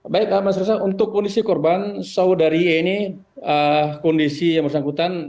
baik mas resa untuk kondisi korban saudari e ini kondisi yang bersangkutan